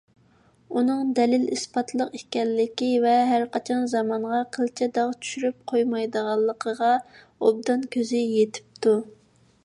ئۇنىڭ دەلىل - ئىسپاتلىق ئىكەنلىكى ۋە ھەرقاچان زامانغا قىلچە داغ چۈشۈرۈپ قويمايدىغانلىقىغا ئوبدان كۆزى يېتىپتۇ.